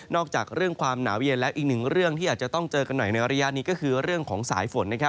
จากเรื่องความหนาวเย็นแล้วอีกหนึ่งเรื่องที่อาจจะต้องเจอกันหน่อยในระยะนี้ก็คือเรื่องของสายฝน